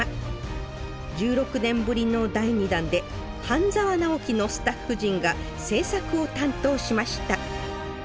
１６年ぶりの第２弾で「半沢直樹」のスタッフ陣が制作を担当しました